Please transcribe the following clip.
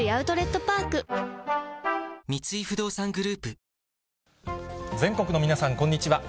雷雨、全国の皆さん、こんにちは。